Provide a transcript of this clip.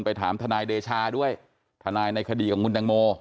ถามทนายเดชาด้วยทนายในคดีของคุณตังโม